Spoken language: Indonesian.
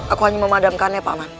aku hanya memadamkannya pak wan